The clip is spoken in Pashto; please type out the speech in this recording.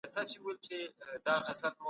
انسانان د خپلو اړتیاوو لپاره ټولني ته اړ دي.